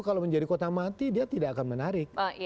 kalau menjadi kota mati dia tidak akan menarik